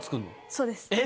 そうです。